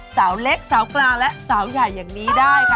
สาวเล็กสาวกลางและสาวใหญ่อย่างนี้ได้ค่ะ